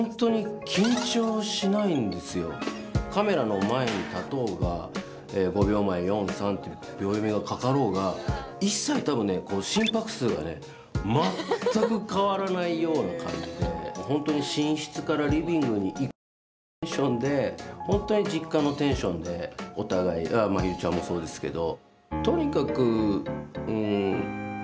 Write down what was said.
カメラの前に立とうが５秒前、４、３と秒読みがかかろうが一切本当に寝室からリビングに行くようなテンションで本当に実家のテンションでお互いまひるちゃんもそうですけど。